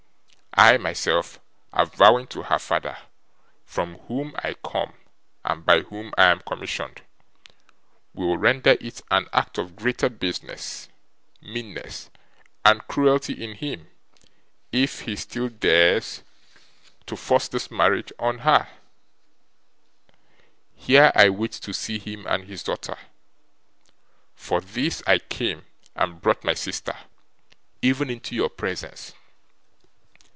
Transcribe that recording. I myself, avowing to her father from whom I come and by whom I am commissioned, will render it an act of greater baseness, meanness, and cruelty in him if he still dares to force this marriage on. Here I wait to see him and his daughter. For this I came and brought my sister even into your presence.